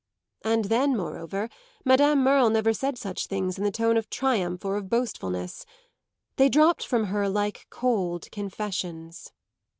And then moreover Madame Merle never said such things in the tone of triumph or of boastfulness; they dropped from her like cold confessions.